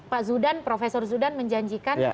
pak zudan prof zudan menjanjikan